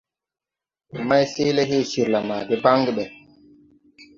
Mayseeele he cirla ma de baŋge ɓɛ.